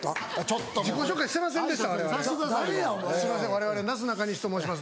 われわれなすなかにしと申します